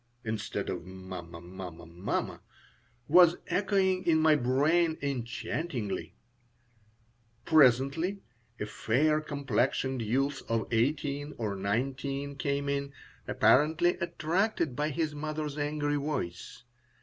(instead of "Mamma! Mamma! Mamma!") was echoing in my brain enchantingly Presently a fair complexioned youth of eighteen or nineteen came in, apparently attracted by his mother's angry voice.